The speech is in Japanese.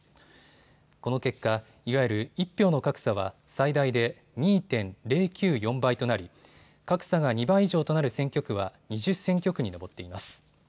この結果、いわゆる１票の格差は最大で２．０９４倍となり格差が２倍以上となる選挙区は２０選挙区に上っています。